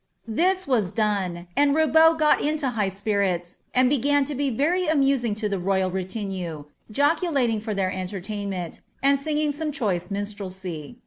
Thia was done, Uibnui p>I into high spiriiA. and began to be very amusing lo the :] minne, joeiilating for their entertainment, and singing some choice ■irelsy.'